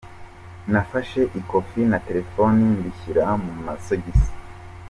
Nafashe ikofi na telefoni mbishyira mu masogisi.